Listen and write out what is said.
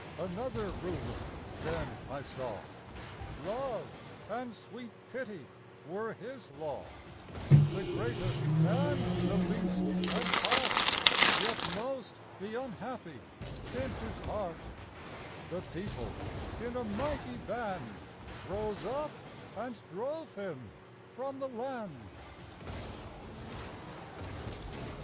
Another Ruler then I saw Love and sweet Pity were his law: The greatest and the least had part (Yet most the unhappy) in his heart The People, in a mighty band, Rose up, and drove him from the land!